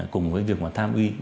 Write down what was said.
cùng với việc mà tham gia